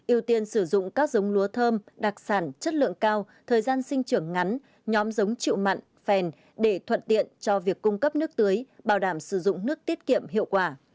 ưu tiên sử dụng các giống lúa thơm đặc sản chất lượng cao thời gian sinh trưởng ngắn nhóm giống chịu mặn phèn để thuận tiện cho việc cung cấp nước tưới bảo đảm sử dụng nước tiết kiệm hiệu quả